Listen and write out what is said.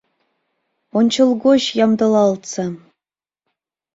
ОНЧЫЛГОЧ ЯМДЫЛАЛТСА